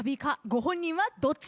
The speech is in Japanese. ご本人はどっち？